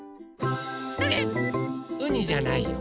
うにじゃないよ。